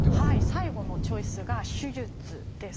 最後のチョイスが「手術」です。